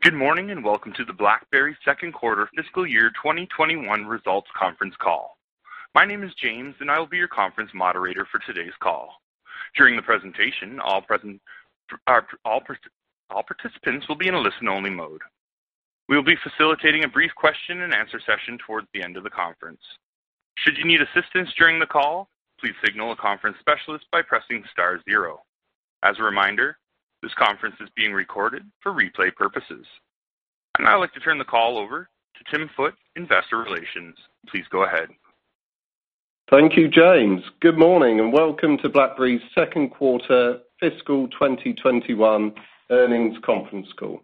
Good morning, and welcome to the BlackBerry Second Quarter Fiscal Year 2021 Results Conference Call. My name is James, and I will be your conference moderator for today's call. During the presentation, all participants will be in a listen-only mode. We will be facilitating a brief question-and-answer session towards the end of the conference. Should you need assistance during the call, please signal a conference specialist by pressing star zero. As a reminder, this conference is being recorded for replay purposes. I'd now like to turn the call over to Tim Foote, Investor Relations. Please go ahead. Thank you, James. Good morning and welcome to BlackBerry's second quarter fiscal 2021 earnings conference call.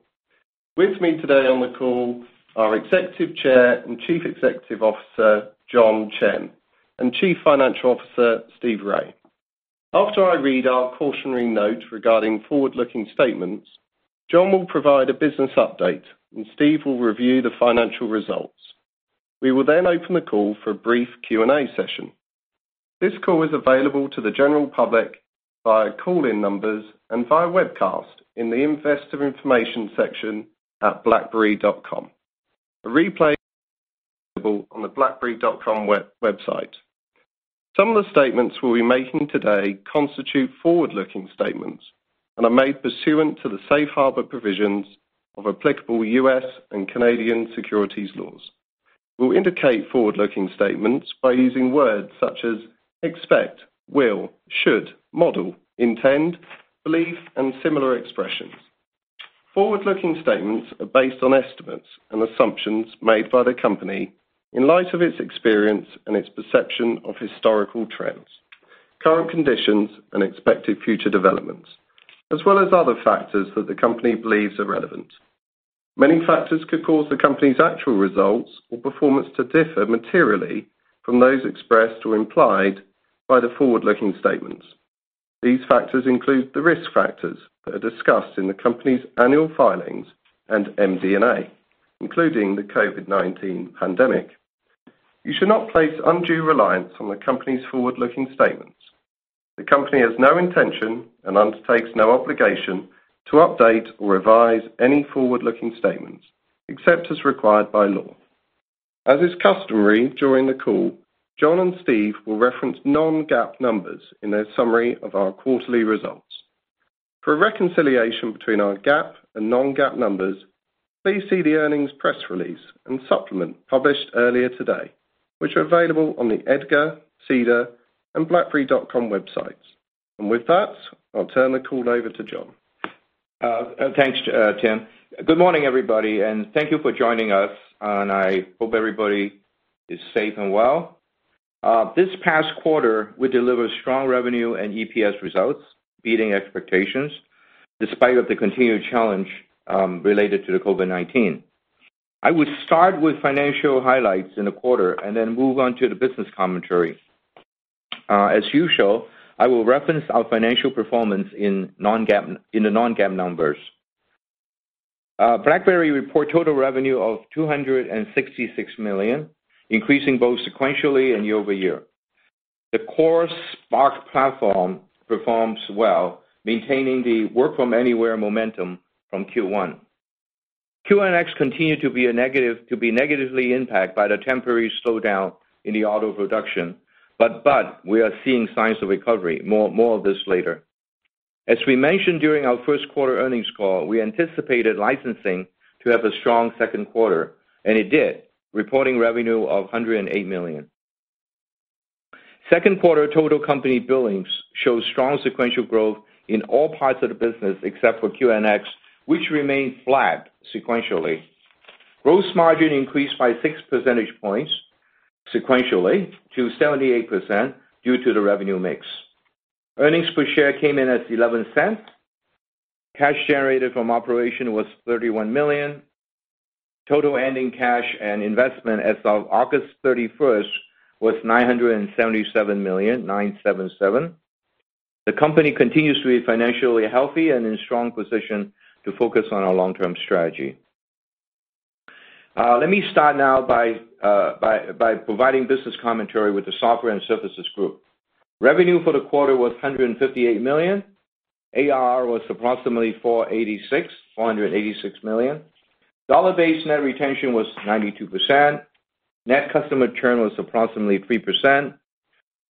With me today on the call are Executive Chair and Chief Executive Officer, John Chen, and Chief Financial Officer, Steve Rai. After I read our cautionary note regarding forward-looking statements, John will provide a business update, and Steve will review the financial results. We will open the call for a brief Q&A session. This call is available to the general public via call-in numbers and via webcast in the investor information section at blackberry.com. A replay on the blackberry.com website. Some of the statements we'll be making today constitute forward-looking statements and are made pursuant to the safe harbor provisions of applicable U.S. and Canadian securities laws. We'll indicate forward-looking statements by using words such as expect, will, should, model, intend, believe, and similar expressions. Forward-looking statements are based on estimates and assumptions made by the company in light of its experience and its perception of historical trends, current conditions, and expected future developments, as well as other factors that the company believes are relevant. Many factors could cause the company's actual results or performance to differ materially from those expressed or implied by the forward-looking statements. These factors include the risk factors that are discussed in the company's annual filings and MD&A, including the COVID-19 pandemic. You should not place undue reliance on the company's forward-looking statements. The company has no intention and undertakes no obligation to update or revise any forward-looking statements, except as required by law. As is customary during the call, John and Steve will reference non-GAAP numbers in their summary of our quarterly results. For a reconciliation between our GAAP and non-GAAP numbers, please see the earnings press release and supplement published earlier today, which are available on the EDGAR, SEDAR, and blackberry.com websites. With that, I'll turn the call over to John. Thanks, Tim. Good morning, everybody, and thank you for joining us, and I hope everybody is safe and well. This past quarter, we delivered strong revenue and EPS results, beating expectations despite of the continued challenge related to the COVID-19. I will start with financial highlights in the quarter and then move on to the business commentary. As usual, I will reference our financial performance in the non-GAAP numbers. BlackBerry report total revenue of $266 million, increasing both sequentially and year-over-year. The core Spark platform performs well, maintaining the work-from-anywhere momentum from Q1. QNX continued to be negatively impacted by the temporary slowdown in the auto production. But we are seeing signs of recovery. More of this later. As we mentioned during our first quarter earnings call, we anticipated licensing to have a strong second quarter, and it did, reporting revenue of $108 million. Second quarter total company billings shows strong sequential growth in all parts of the business, except for QNX, which remained flat sequentially. Gross margin increased by 6 percentage points sequentially to 78% due to the revenue mix. Earnings per share came in at $0.11. Cash generated from operation was $31 million. Total ending cash and investment as of August 31st was $977 million, 9-7-7. The company continues to be financially healthy and in a strong position to focus on our long-term strategy. Let me start now by providing business commentary with the software and services group. Revenue for the quarter was $158 million. ARR was approximately $486 million. Dollar-based net retention was 92%. Net customer churn was approximately 3%.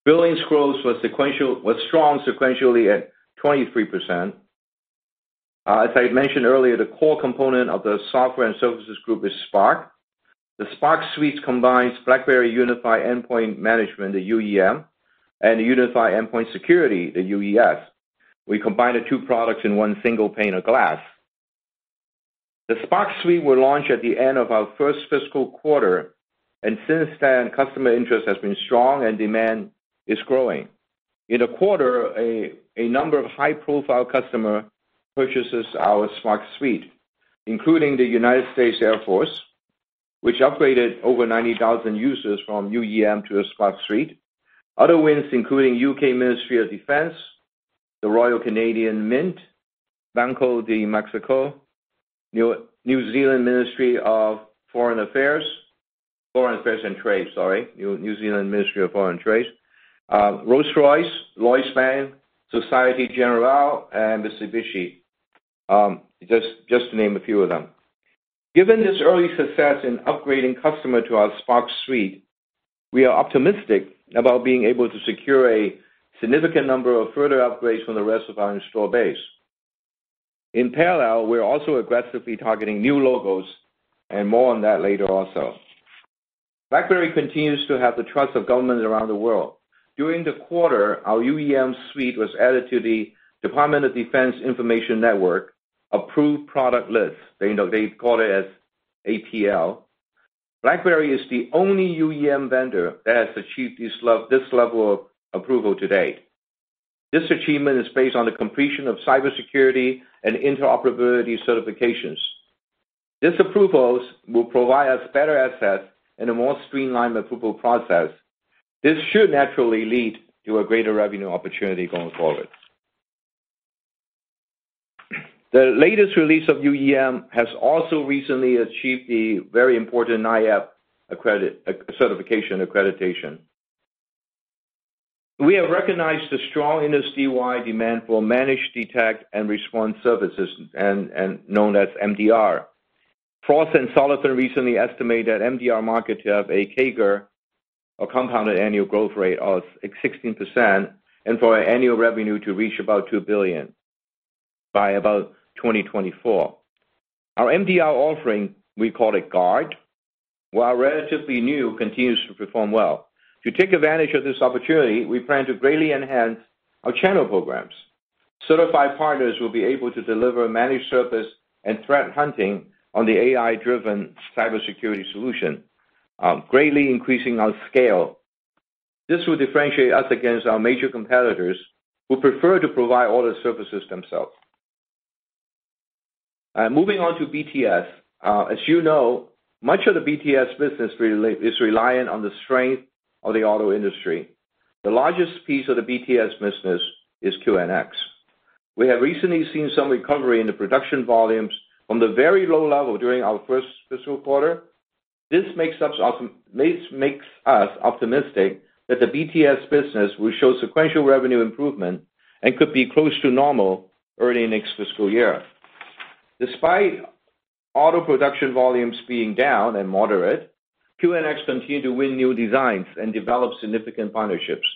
Billings growth was strong sequentially at 23%. As I mentioned earlier, the core component of the software and services group is Spark. The Spark Suite combines BlackBerry Unified Endpoint Management, the UEM, and the Unified Endpoint Security, the UES. We combine the two products in one single pane of glass. The Spark Suite was launched at the end of our first fiscal quarter. Since then, customer interest has been strong and demand is growing. In the quarter, a number of high-profile customer purchases our Spark Suite, including the United States Air Force, which upgraded over 90,000 users from UEM to the Spark Suite. Other wins including UK Ministry of Defence, the Royal Canadian Mint, Banco de México, New Zealand Ministry of Foreign Affairs, Foreign Affairs and Trade, sorry, New Zealand Ministry of Foreign Trades, Rolls-Royce, Lloyds Bank, Société Générale, and Mitsubishi, just to name a few of them. Given this early success in upgrading customers to our Spark Suite, we are optimistic about being able to secure a significant number of further upgrades from the rest of our installed base. In parallel, we're also aggressively targeting new logos. More on that later also. BlackBerry continues to have the trust of governments around the world. During the quarter, our UEM suite was added to the Department of Defense Information Network Approved Product List. They call it APL. BlackBerry is the only UEM vendor that has achieved this level of approval to date. This achievement is based on the completion of cybersecurity and interoperability certifications. These approvals will provide us better access and a more streamlined approval process. This should naturally lead to a greater revenue opportunity going forward. The latest release of UEM has also recently achieved the very important NIAP certification accreditation. We have recognized the strong industry-wide demand for managed detection and response services, known as MDR. Frost & Sullivan recently estimated the MDR market to have a CAGR, a compounded annual growth rate, of 16%, and for annual revenue to reach about $2 billion by about 2024. Our MDR offering, we call it Guard, while relatively new, continues to perform well. To take advantage of this opportunity, we plan to greatly enhance our channel programs. Certified partners will be able to deliver managed service and threat hunting on the AI-driven cybersecurity solution, greatly increasing our scale. This will differentiate us against our major competitors who prefer to provide all the services themselves. Moving on to BTS. As you know, much of the BTS business is reliant on the strength of the auto industry. The largest piece of the BTS business is QNX. We have recently seen some recovery in the production volumes from the very low level during our first fiscal quarter. This makes us optimistic that the BTS business will show sequential revenue improvement and could be close to normal early next fiscal year. Despite auto production volumes being down and moderate, QNX continued to win new designs and develop significant partnerships.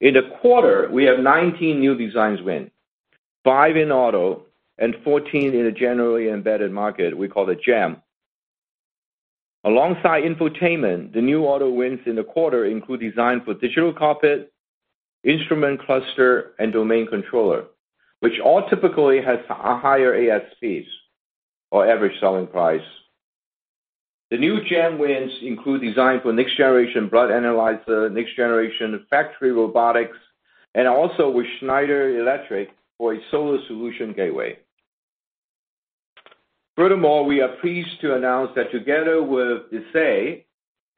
In the quarter, we had 19 new designs win, five in auto and 14 in the generally embedded market, we call it GEM. Alongside infotainment, the new auto wins in the quarter include design for digital cockpit, instrument cluster, and domain controller, which all typically have higher ASPs, or average selling price. The new GEM wins include design for next-generation blood analyzer, next-generation factory robotics, and also with Schneider Electric for a solar solution gateway. Furthermore, we are pleased to announce that together with SAIC,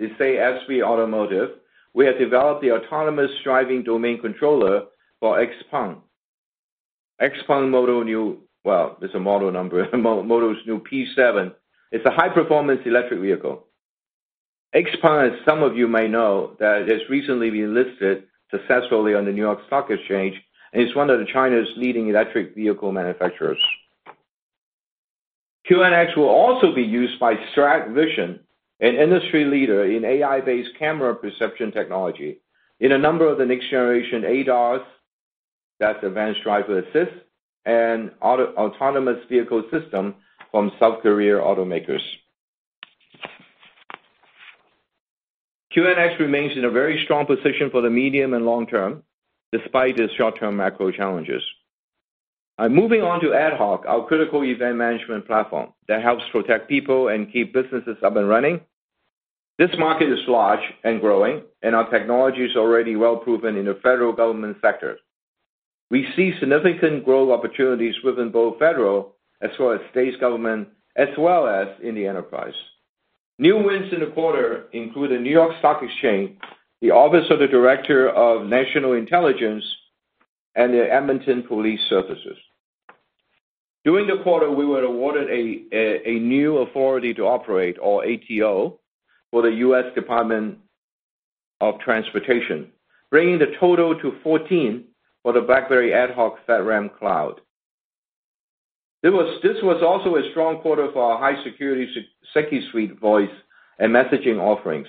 Desay SV Automotive, we have developed the autonomous driving domain controller for XPeng. XPeng model new, well, this is a model number, model's new P7. It's a high-performance electric vehicle. XPeng, as some of you may know, that has recently been listed successfully on the New York Stock Exchange and is one of China's leading electric vehicle manufacturers. QNX will also be used by STRADVISION, an industry leader in AI-based camera perception technology, in a number of the next-generation ADAS, that's advanced driver assist, and autonomous vehicle systems from South Korea automakers. QNX remains in a very strong position for the medium and long term, despite the short-term macro challenges. Moving on to AtHoc, our critical event management platform that helps protect people and keep businesses up and running. This market is large and growing. Our technology is already well-proven in the federal government sector. We see significant growth opportunities within both federal as well as state government, as well as in the enterprise. New wins in the quarter include the New York Stock Exchange, the Office of the Director of National Intelligence, and the Edmonton Police Service. During the quarter, we were awarded a new authority to operate, or ATO, for the U.S. Department of Transportation, bringing the total to 14 for the BlackBerry AtHoc FedRAMP Cloud. This was also a strong quarter for our high-security SecuSUITE voice and messaging offerings,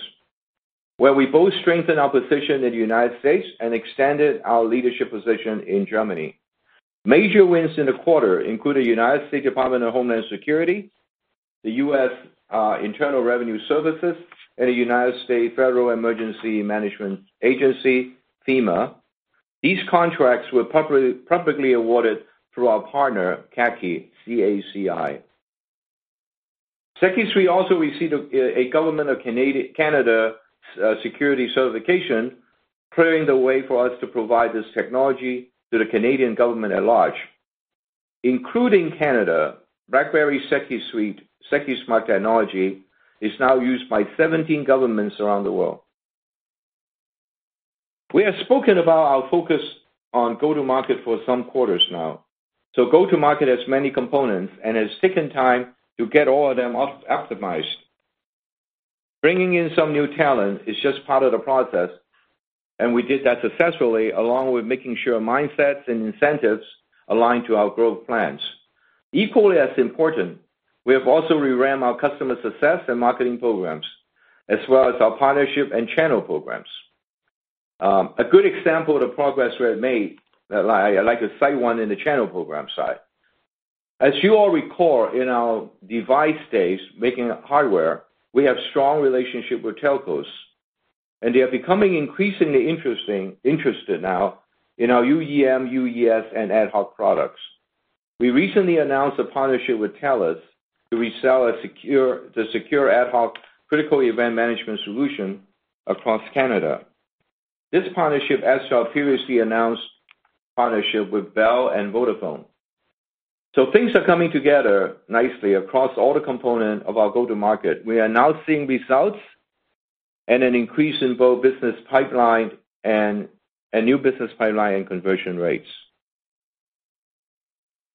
where we both strengthened our position in the United States and extended our leadership position in Germany. Major wins in the quarter include the U.S. Department of Homeland Security, the US Internal Revenue Service, and the United States Federal Emergency Management Agency, FEMA. These contracts were publicly awarded through our partner, CACI, C-A-C-I. SecuSUITE also received a Government of Canada security certification, clearing the way for us to provide this technology to the Canadian government at large. Including Canada, BlackBerry SecuSUITE, Secusmart technology is now used by 17 governments around the world. We have spoken about our focus on go-to-market for some quarters now. Go-to-market has many components, and it has taken time to get all of them optimized. Bringing in some new talent is just part of the process, and we did that successfully, along with making sure mindsets and incentives align to our growth plans. Equally as important, we have also reran our customer success and marketing programs, as well as our partnership and channel programs. A good example of the progress we have made, I'd like to cite one in the channel program side. As you all recall, in our device days, making hardware, we have strong relationship with telcos, and they are becoming increasingly interested now in our UEM, UES, and AtHoc products. We recently announced a partnership with Telus to resell the secure AtHoc critical event management solution across Canada. This partnership, as our previously announced partnership with Bell and Vodafone. Things are coming together nicely across all the components of our go-to-market. We are now seeing results and an increase in both business pipeline and a new business pipeline conversion rates.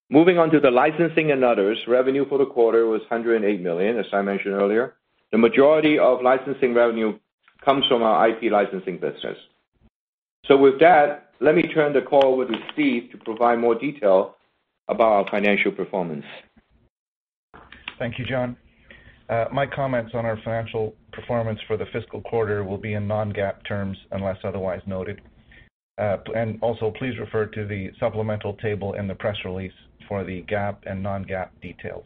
Moving on to the licensing and others, revenue for the quarter was $108 million, as I mentioned earlier. The majority of licensing revenue comes from our IP licensing business. With that, let me turn the call over to Steve to provide more detail about our financial performance. Thank you, John. My comments on our financial performance for the fiscal quarter will be in non-GAAP terms unless otherwise noted. And also, please refer to the supplemental table in the press release for the GAAP and non-GAAP details.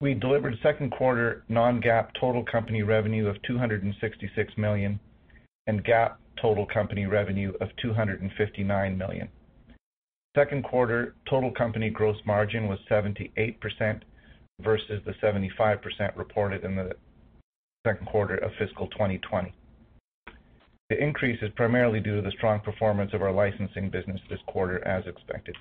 We delivered second quarter non-GAAP total company revenue of $266 million and GAAP total company revenue of $259 million. Second quarter total company gross margin was 78% versus the 75% reported in the second quarter of fiscal 2020. The increase is primarily due to the strong performance of our licensing business this quarter, as expected.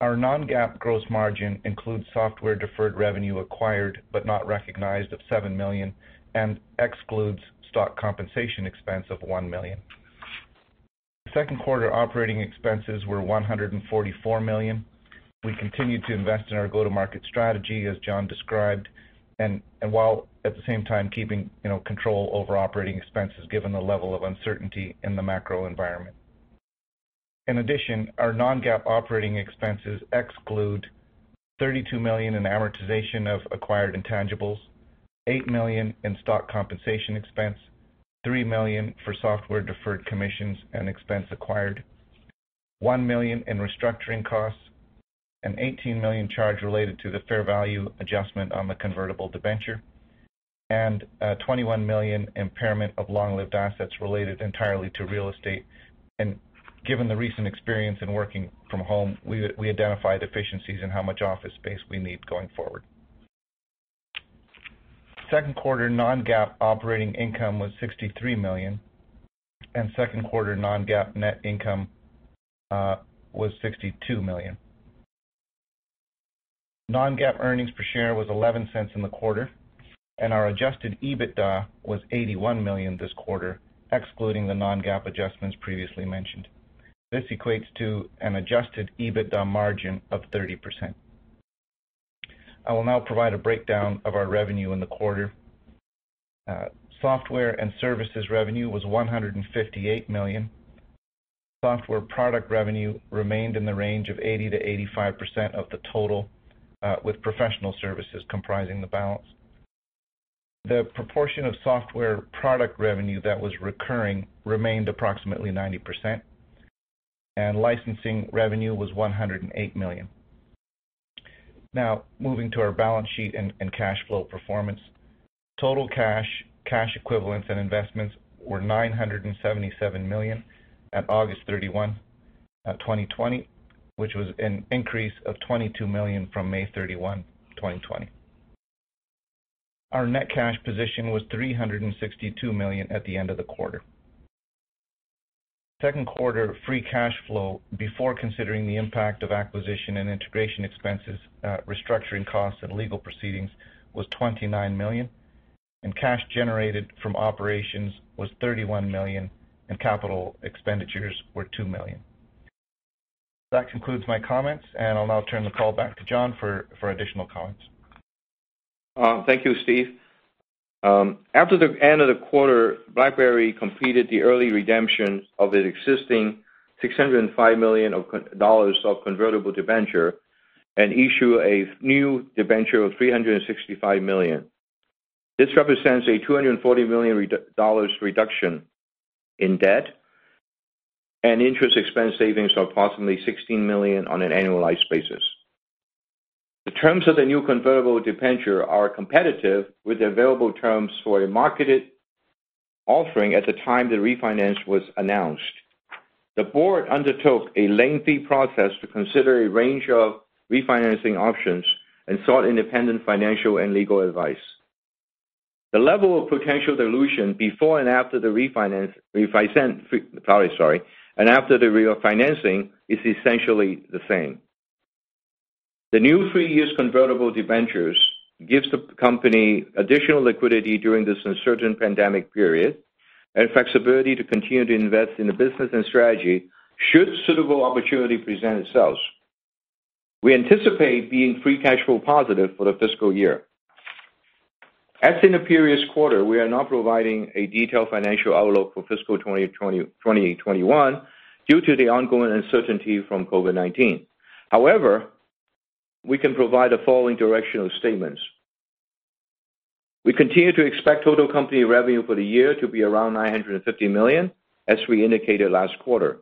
Our non-GAAP gross margin includes software deferred revenue acquired but not recognized at $7 million and excludes stock compensation expense of $1 million. Second quarter operating expenses were $144 million. We continued to invest in our go-to-market strategy, as John described, and while at the same time keeping control over operating expenses, given the level of uncertainty in the macro environment. In addition, our non-GAAP operating expenses exclude $32 million in amortization of acquired intangibles, $8 million in stock compensation expense, $3 million for software-deferred commissions and expense acquired, $1 million in restructuring costs, an $18 million charge related to the fair value adjustment on the convertible debenture, and a $21 million impairment of long-lived assets related entirely to real estate. Given the recent experience in working from home, we identified efficiencies in how much office space we need going forward. Second quarter non-GAAP operating income was $63 million, and second quarter non-GAAP net income was $62 million. Non-GAAP earnings per share was $0.11 in the quarter, and our adjusted EBITDA was $81 million this quarter, excluding the non-GAAP adjustments previously mentioned. This equates to an adjusted EBITDA margin of 30%. I will now provide a breakdown of our revenue in the quarter. Software and services revenue was $158 million. Software product revenue remained in the range of 80%-85% of the total, with professional services comprising the balance. The proportion of software product revenue that was recurring remained approximately 90%, and licensing revenue was $108 million. Now, moving to our balance sheet and cash flow performance. Total cash equivalents and investments were $977 million at August 31, 2020, which was an increase of $22 million from May 31, 2020. Our net cash position was $362 million at the end of the quarter. Second quarter free cash flow, before considering the impact of acquisition and integration expenses, restructuring costs, and legal proceedings, was $29 million, and cash generated from operations was $31 million, and capital expenditures were $2 million. That concludes my comments, and I'll now turn the call back to John for additional comments. Thank you, Steve. After the end of the quarter, BlackBerry completed the early redemption of its existing $605 million of convertible debenture and issue a new debenture of $365 million. This represents a $240 million reduction in debt and interest expense savings of approximately $16 million on an annualized basis. The terms of the new convertible debenture are competitive with the available terms for a marketed offering at the time the refinance was announced. The board undertook a lengthy process to consider a range of refinancing options and sought independent financial and legal advice. The level of potential dilution before and after the refinancing is essentially the same. The new three-years convertible debentures gives the company additional liquidity during this uncertain pandemic period and flexibility to continue to invest in the business and strategy should suitable opportunity present itself. We anticipate being free cash flow positive for the fiscal year. As in the previous quarter, we are not providing a detailed financial outlook for fiscal 2021 due to the ongoing uncertainty from COVID-19. However, we can provide the following directional statements. We continue to expect total company revenue for the year to be around $950 million, as we indicated last quarter.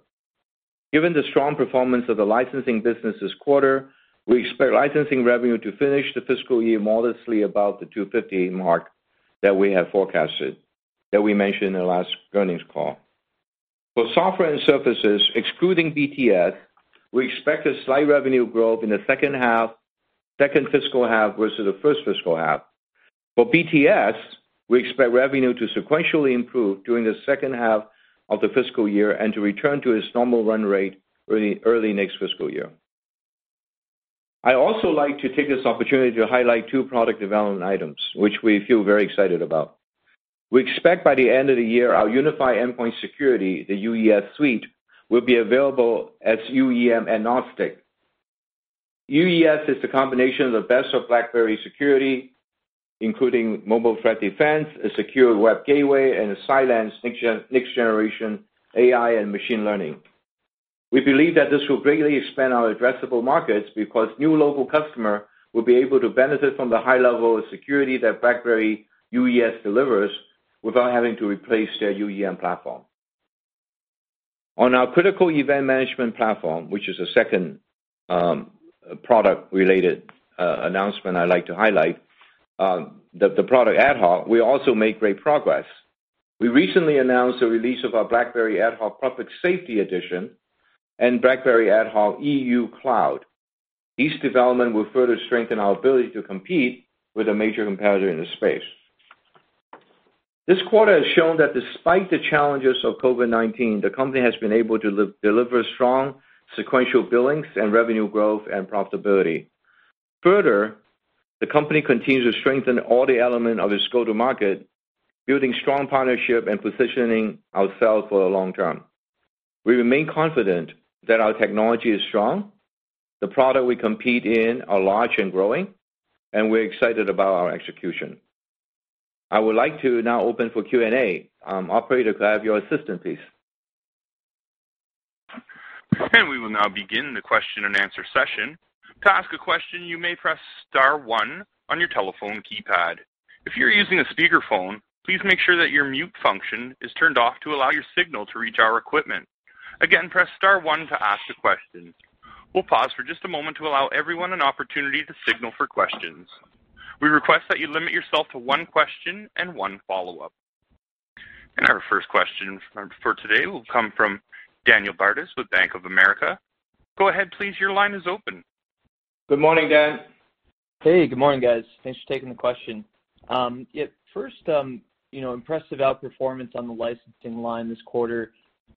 Given the strong performance of the licensing business this quarter, we expect licensing revenue to finish the fiscal year modestly above the $250 million mark that we have forecasted, that we mentioned in the last earnings call. For software and services, excluding BTS, we expect a slight revenue growth in the second half, second fiscal half versus the first fiscal half. For BTS, we expect revenue to sequentially improve during the second half of the fiscal year and to return to its normal run rate early next fiscal year. I also like to take this opportunity to highlight two product development items, which we feel very excited about. We expect by the end of the year, our Unified Endpoint Security, the UES suite, will be available as UEM agnostic. UES is the combination of the best of BlackBerry security, including mobile threat defense, a secure web gateway, and a Cylance next-generation AI and machine learning. We believe that this will greatly expand our addressable markets because new logo customer will be able to benefit from the high level of security that BlackBerry UES delivers without having to replace their UEM platform. On our critical event management platform, which is the second product-related announcement I'd like to highlight, the product AtHoc, we also make great progress. We recently announced the release of our BlackBerry AtHoc Public Safety Edition and BlackBerry AtHoc EU Cloud. These development will further strengthen our ability to compete with a major competitor in the space. This quarter has shown that despite the challenges of COVID-19, the company has been able to deliver strong sequential billings in revenue growth and profitability. Further, the company continues to strengthen all the element of its go-to-market, building strong partnership and positioning ourselves for the long term. We remain confident that our technology is strong, the product we compete in are large and growing, and we're excited about our execution. I would like to now open for Q&A. Operator, could I have your assistance, please? We will now begin the question-and-answer session. To ask a question, you may press star one on your telephone keypad. If you're using a speakerphone, please make sure that your mute function is turned off to allow your signal to reach our equipment. Again, press star one to ask a question. We'll pause for just a moment to allow everyone an opportunity to signal for questions. We request that you limit yourself to one question and one follow-up. Our first question for today will come from Daniel Bartus with Bank of America. Go ahead, please. Your line is open. Good morning, Dan. Hey, good morning, guys. Thanks for taking the question. First, impressive outperformance on the licensing line this quarter.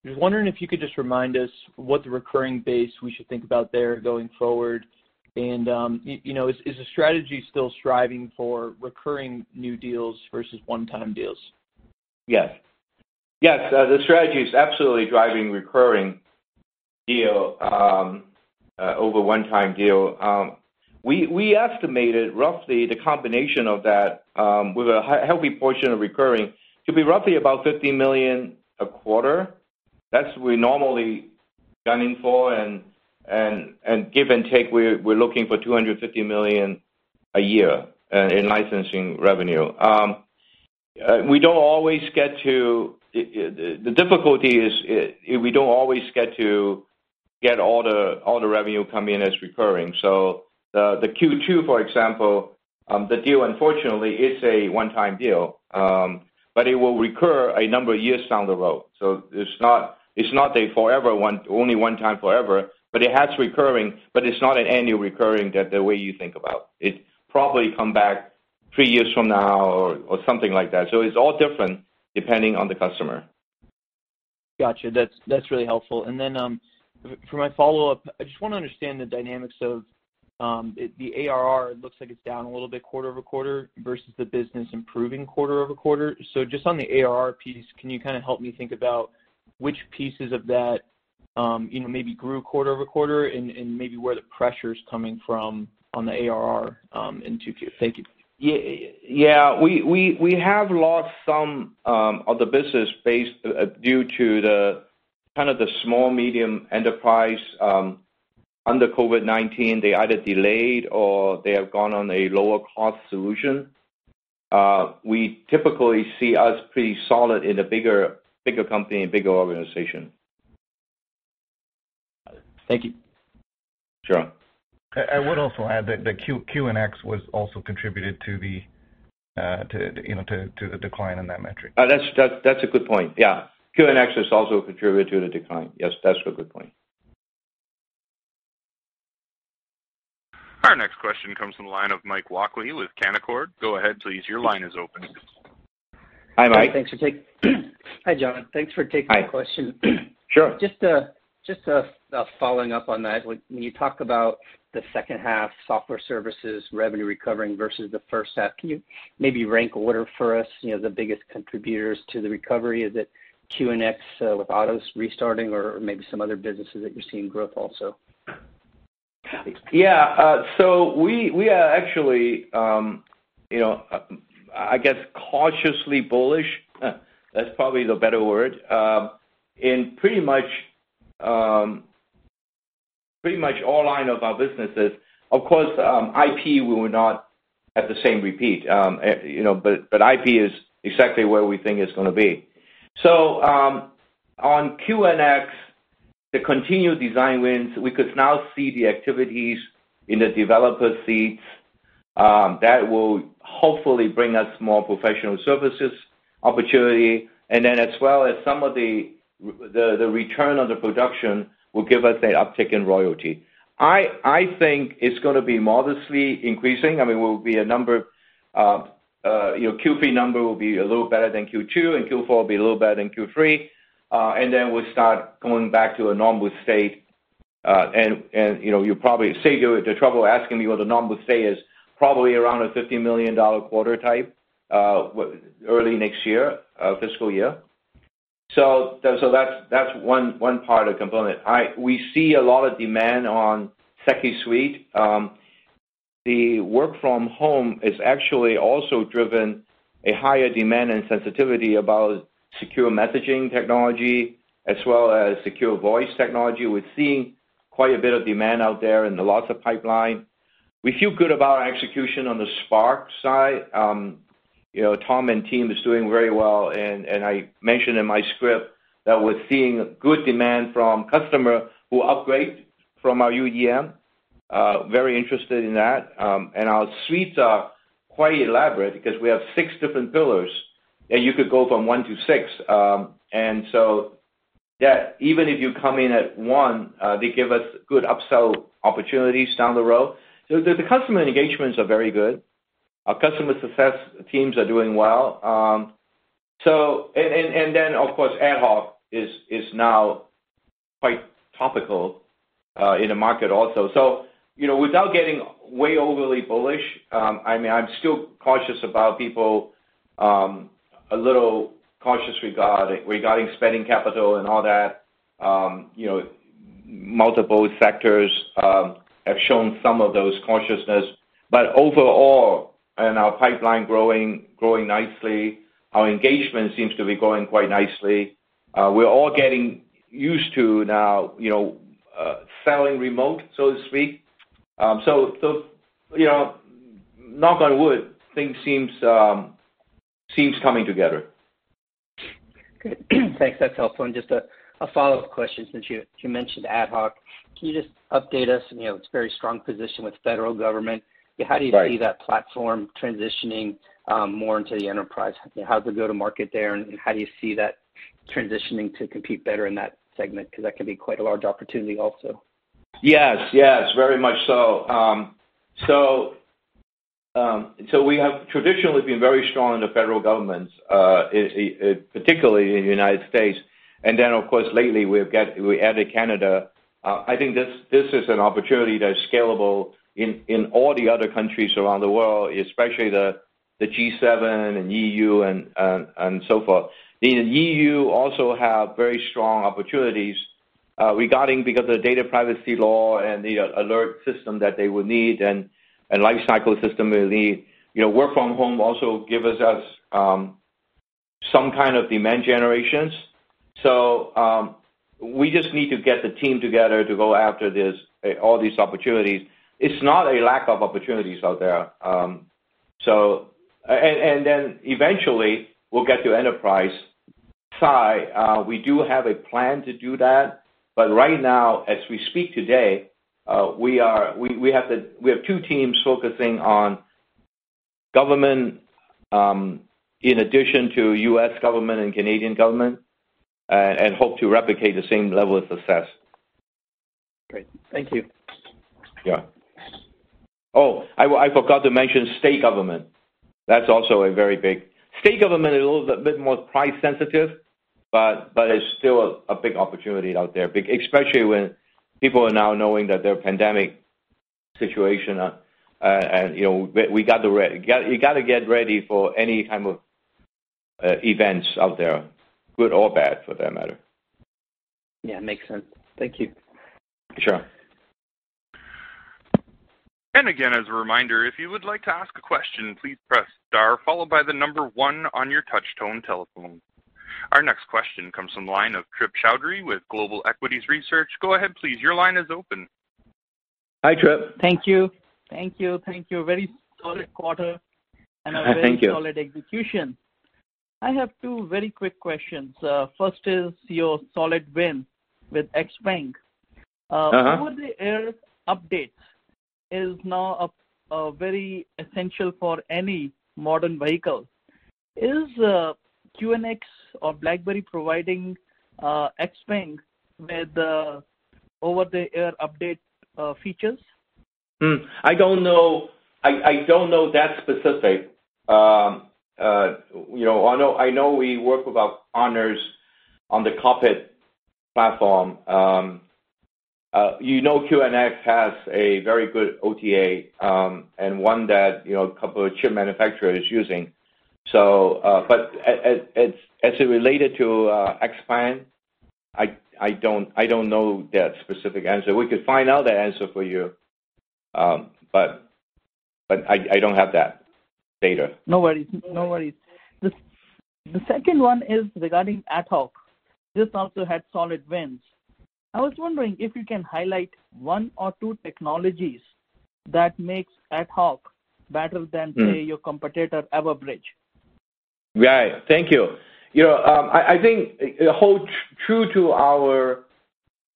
I was wondering if you could just remind us what the recurring base we should think about there going forward, and is the strategy still striving for recurring new deals versus one-time deals? Yes. Yes. The strategy is absolutely driving recurring deal over one-time deal. We estimated, roughly, the combination of that, with a healthy portion of recurring, to be roughly about $50 million a quarter. That's what we normally gunning for. And give and take, we're looking for $250 million a year in licensing revenue. We don't always get to, the difficulty is we don't always get to get all the revenue come in as recurring. The Q2, for example, the deal, unfortunately, is a one-time deal, but it will recur a number of years down the road. It's not a forever one, only one time forever, but it has recurring, but it's not an annual recurring the way you think about. It probably come back three years from now or something like that. It's all different depending on the customer. Got you. That's really helpful. And then for my follow-up, I just want to understand the dynamics of the ARR. It looks like it's down a little bit quarter-over-quarter versus the business improving quarter-over-quarter. Just on the ARR piece, can you help me think about which pieces of that maybe grew quarter-over-quarter and maybe where the pressure's coming from on the ARR in 2Q? Thank you. Yeah. We have lost some of the business base due to the small medium enterprise. Under COVID-19, they either delayed or they have gone on a lower-cost solution. We typically see us pretty solid in the bigger company and bigger organization. Thank you. Sure. I would also add that the QNX was also contributed to the decline in that metric. That's a good point. Yeah. QNX has also contributed to the decline. Yes, that's a good point. Our next question comes from the line of Mike Walkley with Canaccord. Go ahead, please. Your line is open. Hi, Mike. Thanks for ta- Hi, John. Thanks for taking the question. Sure. Just following up on that, when you talk about the second half software services revenue recovering versus the first half, can you maybe rank order for us the biggest contributors to the recovery? Is it QNX with autos restarting or maybe some other businesses that you're seeing growth also? Yeah. We are actually, I guess, cautiously bullish, that's probably the better word, in pretty much, pretty much all line of our businesses. Of course, IP will not have the same repeat, but IP is exactly where we think it's going to be. On QNX, the continued design wins, we could now see the activities in the developer seats. That will hopefully bring us more professional services opportunity, and then as well as some of the return on the production will give us a uptick in royalty. I think it's going to be modestly increasing. I mean there'll be a number, Q3 number will be a little better than Q2, and Q4 will be a little better than Q3. And then we'll start going back to a normal state. You'll probably save the trouble of asking me what the normal state is, probably around a $50 million quarter type early next year, fiscal year. That's one part of component. We see a lot of demand on SecuSUITE. The work from home is actually also driven a higher demand and sensitivity about secure messaging technology as well as secure voice technology. We're seeing quite a bit of demand out there and lots of pipeline. We feel good about our execution on the Spark side. Tom and team is doing very well, and I mentioned in my script that we're seeing good demand from customer who upgrade from our UEM. Very interested in that. Our suites are quite elaborate because we have six different pillars, and you could go from one to six. Even if you come in at one, they give us good upsell opportunities down the road. The customer engagements are very good. Our customer success teams are doing well. Of course, AtHoc is now quite topical in the market also. Without getting way overly bullish, I'm still cautious about people, a little cautious regarding spending capital and all that. Multiple sectors have shown some of those cautiousness. But overall, and our pipeline growing nicely, our engagement seems to be growing quite nicely. We're all getting used to now selling remote, so to speak. Knock on wood, things seems coming together. Good. Thanks. That's helpful. Just a follow-up question, since you mentioned AtHoc. Can you just update us on its very strong position with federal government? Right. How do you see that platform transitioning more into the enterprise? How's the go-to market there, and how do you see that transitioning to compete better in that segment? Because that could be quite a large opportunity also. Yes. Yes. Very much so. We have traditionally been very strong in the federal governments, particularly in the United States. And then of course, lately, we added Canada. I think this is an opportunity that is scalable in all the other countries around the world, especially the G7 and EU and so forth. The EU also have very strong opportunities regarding because of the data privacy law and the alert system that they would need and lifecycle system they need. Work from home also gives us some kind of demand generations. We just need to get the team together to go after all these opportunities. It's not a lack of opportunities out there. And then eventually, we'll get to enterprise side. We do have a plan to do that, but right now, as we speak today, we have two teams focusing on government, in addition to U.S. government and Canadian government, and hope to replicate the same level of success. Great. Thank you. Yeah. Oh, I forgot to mention state government. That's also a very big... State government is a little bit more price sensitive, but it's still a big opportunity out there, especially when people are now knowing that there are pandemic situation. You gotta get ready for any type of events out there, good or bad, for that matter. Yeah, makes sense. Thank you. Sure. And again, as a reminder, if you would like to ask a question, please press star followed by the number one on your touch tone telephone. Our next question comes from the line of Trip Chowdhry with Global Equities Research. Go ahead, please. Your line is open. Hi, Trip. Thank you. Thank you. Thank you. Very solid quarter. Thank you. And also very solid execution. I have two very quick questions. First is your solid win with XPeng. Uh-huh. Over-the-air updates is now a very essential for any modern vehicle. Is QNX or BlackBerry providing XPeng with the over-the-air update features? I don't know, I don't know that specific. I know we work with our partners on the cockpit platform. You know QNX has a very good OTA, and one that a couple of chip manufacturers using. As it related to XPeng, I don't know that specific answer. We could find out that answer for you, but I don't have that data. No worries. No worries. The second one is regarding AtHoc. This also had solid wins. I was wondering if you can highlight one or two technologies that makes AtHoc better than, say, your competitor, Everbridge. Right. Thank you. I think it holds true to our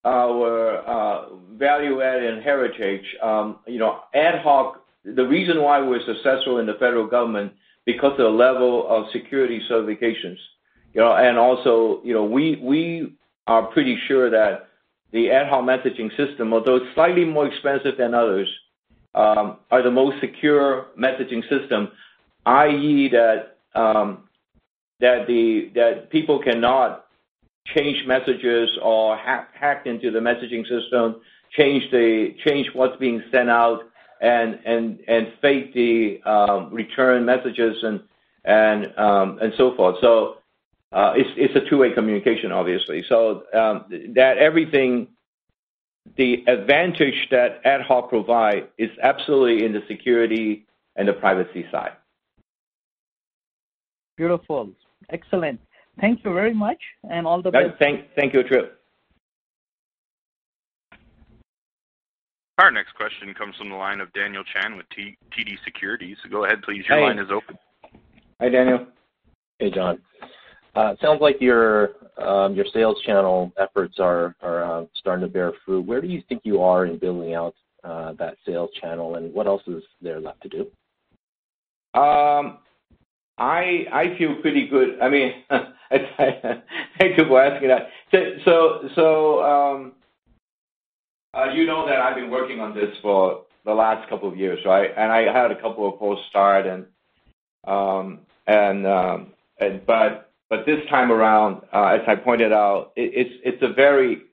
value add and heritage. AtHoc, the reason why we're successful in the federal government, because of the level of security certifications. Also, we are pretty sure that the AtHoc messaging system, although slightly more expensive than others, are the most secure messaging system, i.e., that people cannot change messages or hack into the messaging system, change what's being sent out and fake the return messages and so forth. It's a two-way communication, obviously. That, everything, the advantage that AtHoc provide is absolutely in the security and the privacy side. Beautiful. Excellent. Thank you very much, and all the best. Thank you, Trip. Our next question comes from the line of Daniel Chan with TD Securities. Go ahead, please. Hi, Daniel. Hey, John. Sounds like your sales channel efforts are starting to bear fruit. Where do you think you are in building out that sales channel, and what else is there left to do? I feel pretty good. I mean, thank you for asking that. You know that I've been working on this for the last couple of years, right? I had a couple of false start, but this time around, as I pointed out, it's a very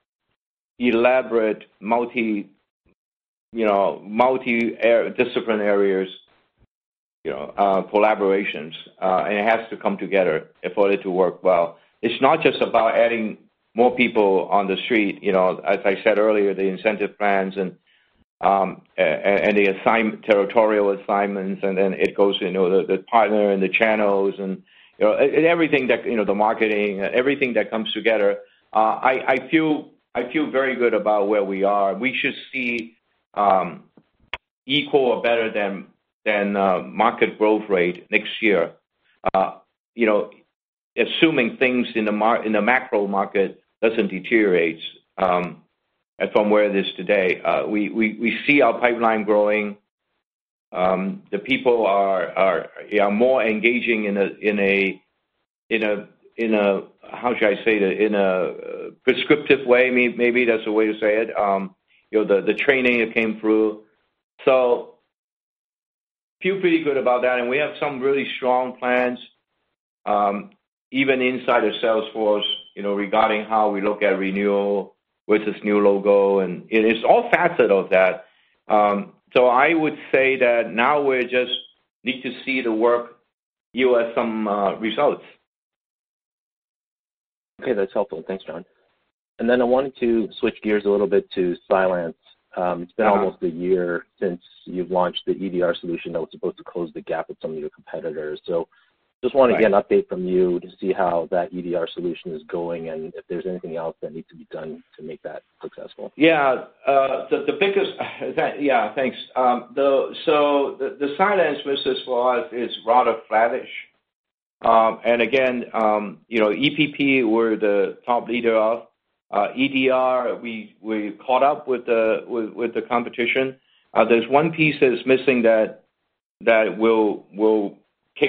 elaborate multi-discipline areas collaborations, it has to come together for it to work well. It's not just about adding more people on the street. As I said earlier, the incentive plans and the territorial assignments, then it goes to the partner and the channels and everything that, you know, in the marketing, everything that comes together. I feel very good about where we are. We should see equal or better than market growth rate next year, assuming things in the macro market doesn't deteriorate from where it is today. We see our pipeline growing. The people are more engaging in a, how should I say, in a prescriptive way, maybe that's the way to say it. The training that came through. Feel pretty good about that, and we have some really strong plans, even inside of Salesforce, regarding how we look at renewal versus new logo, and it's all facet of that. I would say that now we just need to see the work yield us some results. Okay, that's helpful. Thanks, John. And I wanted to switch gears a little bit to Cylance. It's been almost a year since you've launched the EDR solution that was supposed to close the gap with some of your competitors. Just want to get an update from you to see how that EDR solution is going and if there's anything else that needs to be done to make that successful. Yeah. Thanks. The Cylance business for us is rather flattish. Again, EPP, we're the top leader of. EDR, we caught up with the competition. There's one piece that's missing that will kick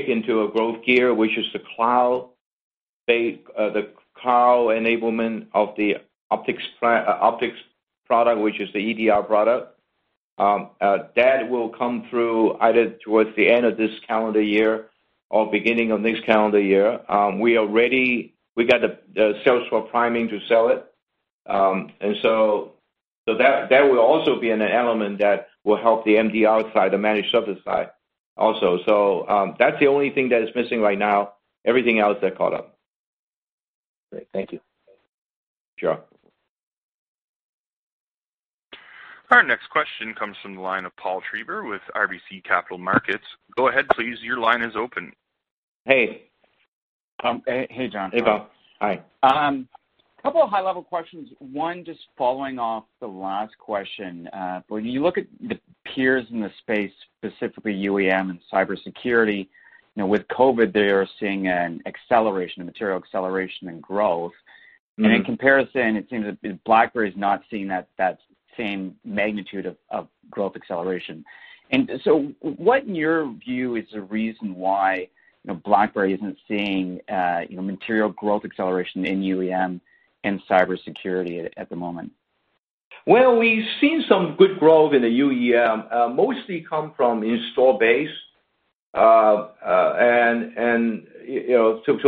into a growth gear, which is the cloud enablement of the BlackBerry Optics product, which is the EDR product. That will come through either towards the end of this calendar year or beginning of next calendar year. We got the sales force priming to sell it. That will also be an element that will help the MDR side, the managed service side also. That's the only thing that is missing right now. Everything else, they're caught up. Great, thank you. Sure. Our next question comes from the line of Paul Treiber with RBC Capital Markets. Go ahead, please. Your line is open. Hey. Hey, John. Hey, Paul. Hi. Couple of high-level questions. One, just following off the last question. When you look at the peers in the space, specifically UEM and cybersecurity, with COVID, they are seeing a material acceleration in growth. In comparison, it seems that BlackBerry is not seeing that same magnitude of growth acceleration. What, in your view, is the reason why BlackBerry isn't seeing material growth acceleration in UEM and cybersecurity at the moment? Well, we've seen some good growth in the UEM, mostly come from install base.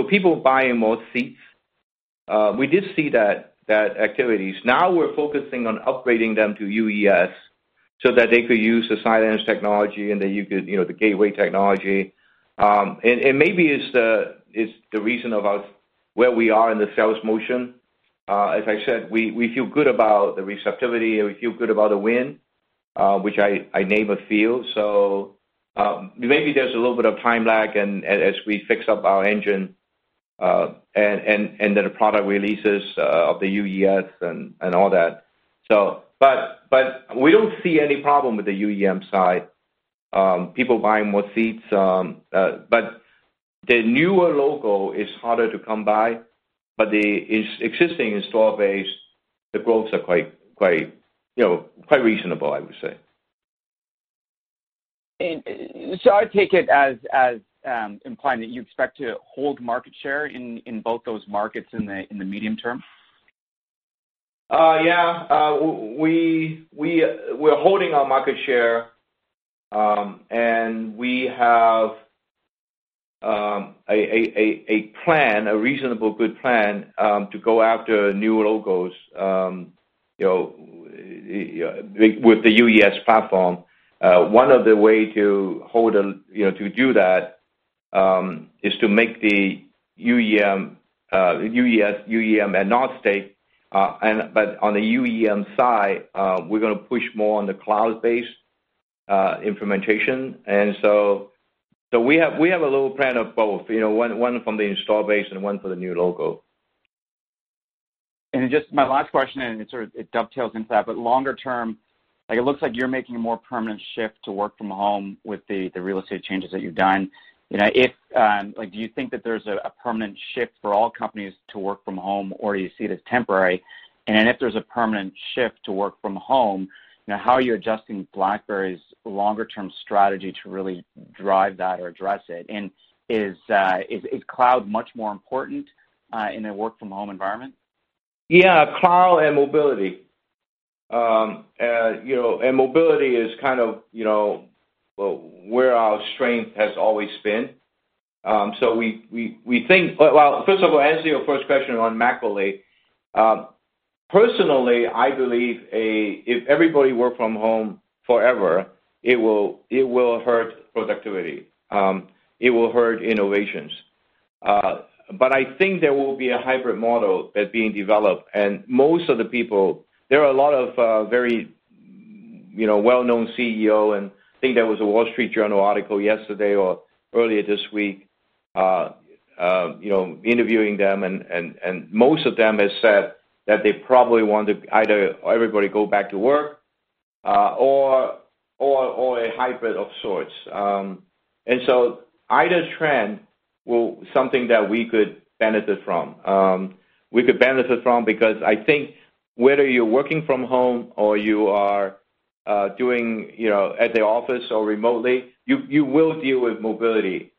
People buying more seats. We did see that activities. Now we're focusing on upgrading them to UES so that they could use the Cylance technology and the gateway technology. Maybe it's the reason about where we are in the sales motion. As I said, we feel good about the receptivity and we feel good about the win, which I name a few. Maybe there's a little bit of time lag and as we fix up our engine, and then the product releases of the UES and all that. But we don't see any problem with the UEM side. People buying more seats. The newer logo is harder to come by, but the existing install base, the growths are quite reasonable, I would say. Should I take it as implying that you expect to hold market share in both those markets in the medium term? Yeah. We're holding our market share, we have a plan, a reasonable good plan, to go after new logos with the UES platform. One of the way to do that, is to make the UEM and not state. But on the UEM side, we're going to push more on the cloud-based implementation. We have a little plan of both, one from the install base and one for the new logo. And just my last question, and it dovetails into that, but longer term, it looks like you're making a more permanent shift to work from home with the real estate changes that you've done. Do you think that there's a permanent shift for all companies to work from home, or do you see it as temporary? If there's a permanent shift to work from home, how are you adjusting BlackBerry's longer term strategy to really drive that or address it, and is cloud much more important in a work from home environment? Yeah, cloud and mobility. Mobility is kind of, you know, where our strength has always been. First of all, answering your first question on macro. Personally, I believe if everybody work from home forever, it will hurt productivity. It will hurt innovations. But I think there will be a hybrid model that being developed, and most of the people, there are a lot of very well-known CEO, and I think there was a Wall Street Journal article yesterday or earlier this week interviewing them, and most of them have said that they probably want either everybody go back to work or a hybrid of sorts. Either trend will something that we could benefit from. We could benefit from because I think whether you're working from home or you are doing at the office or remotely, you will deal with mobility.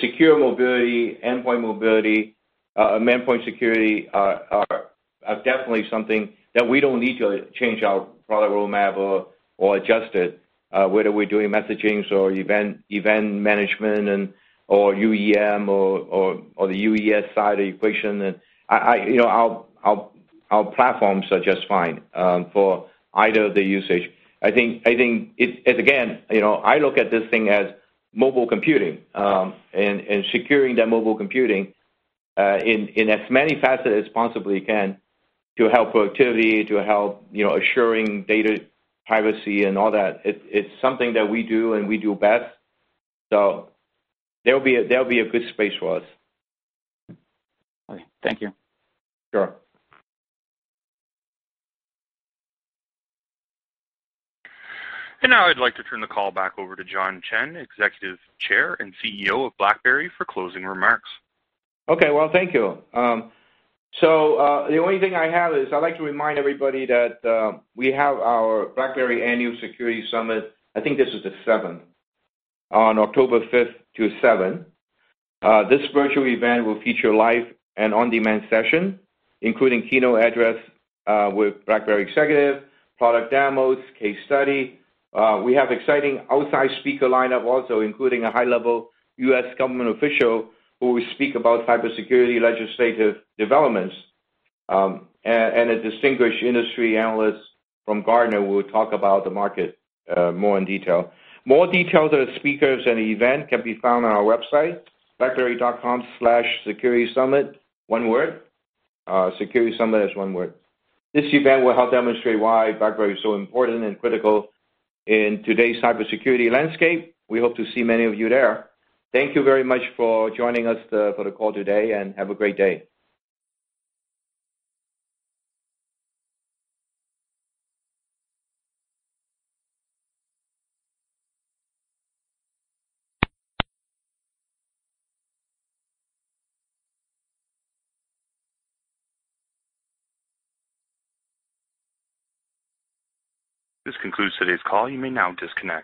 Secure mobility, endpoint mobility, endpoint security are definitely something that we don't need to change our product roadmap or adjust it, whether we're doing messagings or event management or UEM or the UES side of the equation. Our platforms are just fine for either of the usage. Again, I look at this thing as mobile computing, and securing that mobile computing in as many facets as possibly we can to help productivity, to help assuring data privacy and all that. It's something that we do and we do best. That'll be a good space for us. Okay. Thank you. Sure. Now I'd like to turn the call back over to John Chen, Executive Chair and CEO of BlackBerry, for closing remarks. Okay. Well, thank you. The only thing I have is I'd like to remind everybody that we have our BlackBerry Annual Security Summit, I think this is the 7th, on October 5th to 7th. This virtual event will feature live and on-demand session, including keynote address with BlackBerry executive, product demos, case study. We have exciting outside speaker lineup also, including a high-level U.S. government official who will speak about cybersecurity legislative developments, and a distinguished industry analyst from Gartner who will talk about the market more in detail. More details of speakers and the event can be found on our website, blackberry.com/securitysummit, one word. Securitysummit as one word. This event will help demonstrate why BlackBerry is so important and critical in today's cybersecurity landscape. We hope to see many of you there. Thank you very much for joining us for the call today, and have a great day. This concludes today's call. You may now disconnect.